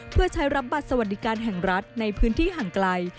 เพื่อใช้รับบัตรสวัสดิการแห่งรัฐในพื้นที่ห่างไกล